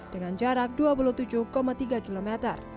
dengan jarak dua puluh tujuh tiga km